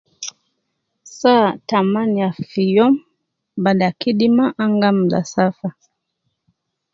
Saa tamaniya fi youm, bada kidima ana gi amula safa